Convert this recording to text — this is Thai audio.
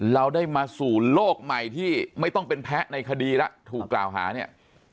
เราได้มาสู่โลกใหม่ที่ไม่ต้องเป็นแพ้ในคดีแล้วถูกกล่าวหาเนี่ย